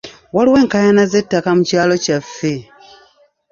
Waliwo enkaayana z'ettaka mu kyalo kyaffe.